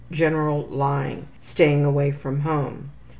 General lying. Staying away from home.